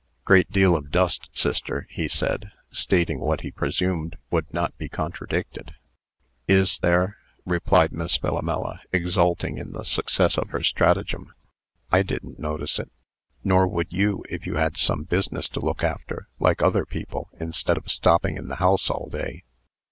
"Great deal of dust, sister," he said, stating what he presumed would not be contradicted. "Is there?" replied Miss Philomela, exulting in the success of her stratagem. "I didn't notice it; nor would you, if you had some business to look after, like other people, instead of stopping in the house all day."